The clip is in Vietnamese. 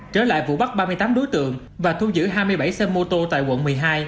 trở lại vụ bắt ba mươi tám đối tượng và thu giữ hai mươi bảy xe mô tô tại quận một mươi hai